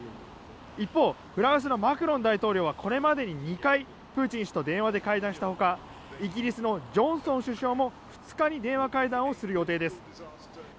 一方フランスのマクロン大統領はこれまでに２回プーチン氏と電話で会談したほかイギリスのジョンソン首相も２日に電話会談をする予定です。